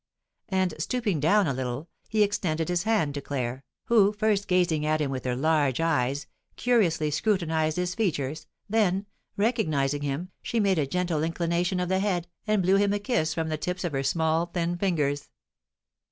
And, stooping down a little, he extended his hand to Claire, who, first gazing at him with her large eyes, curiously scrutinised his features, then, recognising him, she made a gentle inclination of the head, and blew him a kiss from the tips of her small, thin fingers.